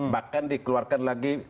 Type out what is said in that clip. bahkan dikeluarkan lagi